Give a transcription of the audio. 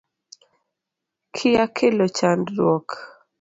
Kia kelo chandruok